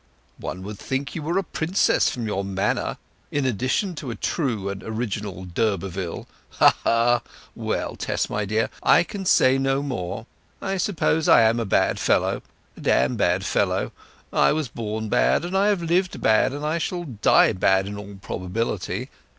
"One would think you were a princess from your manner, in addition to a true and original d'Urberville—ha! ha! Well, Tess, dear, I can say no more. I suppose I am a bad fellow—a damn bad fellow. I was born bad, and I have lived bad, and I shall die bad in all probability.